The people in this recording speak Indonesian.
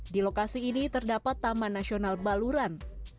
di lokasi ini terdapat taman nasional baluran